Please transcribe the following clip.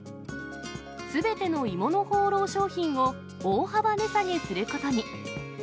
すべての鋳物ほうろう商品を大幅値下げすることに。